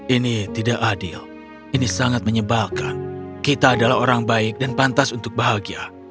ini tidak adil ini sangat menyebalkan kita adalah orang baik dan pantas untuk bahagia